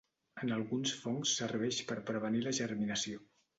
En alguns fongs serveix per prevenir la germinació.